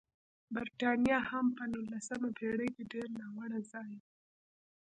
برېټانیا هم په نولسمه پېړۍ کې ډېر ناوړه ځای و.